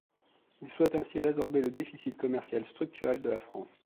Il souhaite ainsi résorber le déficit commercial structurel de la France.